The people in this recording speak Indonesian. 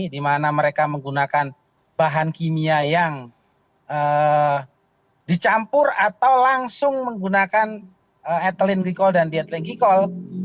di mana mereka menggunakan bahan kimia yang dicampur atau langsung menggunakan ethylene glycol dan diethylene glycol